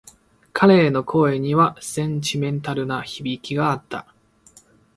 彼の声にはセンチメンタルな響きがあった。